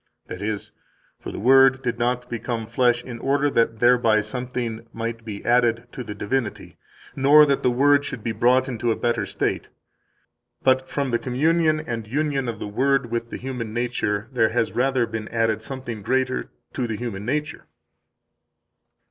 [That is: For the Word did not become flesh in order that thereby something might be added to the divinity, nor that the Word should be brought into a better state, but from the communion and union of the Word with the human nature there has rather been added something greater to the human nature.